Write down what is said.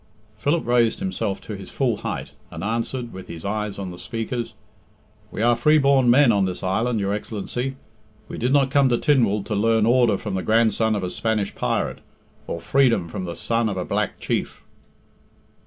Philip raised himself to his full height, and answered, with his eyes on the speakers, "We are free born men on this island, your Excellency. We did not come to Tynwald to learn order from the grandson of a Spanish pirate, or freedom from the son of a black chief."